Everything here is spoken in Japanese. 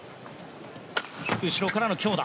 後ろからの強打。